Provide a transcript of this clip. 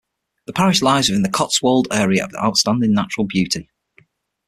The parish lies within the Cotswolds Area of Outstanding Natural Beauty.